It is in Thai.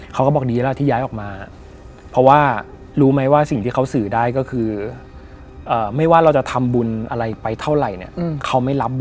ก็เขาไปเจอกับ